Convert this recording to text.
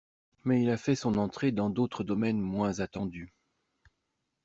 Mais il a fait son entrée dans d’autres domaines moins attendus.